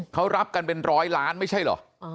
เขารับกันเป็นร้อยล้านไม่ใช่เหรอ